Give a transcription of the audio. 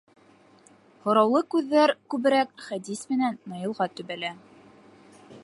Һораулы күҙҙәр күберәк Хәдис менән Наилға төбәлә.